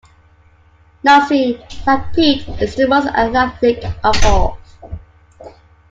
Naseem, like Pete, is the most athletic of all.